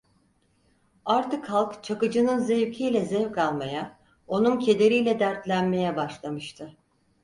Artık halk Çakıcı’nın zevkiyle zevk almaya, onun kederiyle dertlenmeye başlamıştı.